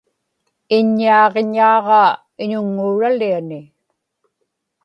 iññaaġiñaaġaa iñuŋŋuuraliani